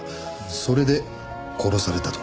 それで殺されたとか。